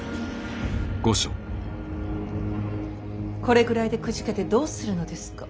これくらいでくじけてどうするのですか。